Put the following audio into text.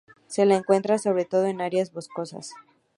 Se la encuentra sobre todo en áreas boscosas.